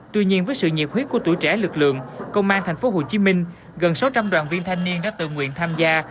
tuy nhiên với sự nhiệt huyết của tuổi trẻ lực lượng công an tp hcm gần sáu trăm linh đoàn viên thanh niên đã tự nguyện tham gia